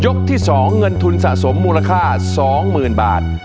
ที่๒เงินทุนสะสมมูลค่า๒๐๐๐บาท